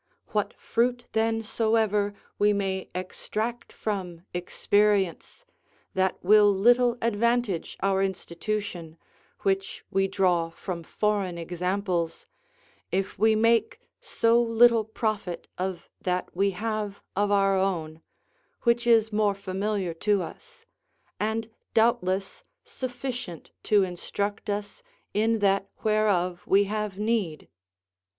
What fruit then soever we may extract from experience, that will little advantage our institution, which we draw from foreign examples, if we make so little profit of that we have of our own, which is more familiar to us, and, doubtless, sufficient to instruct us in that whereof we have need.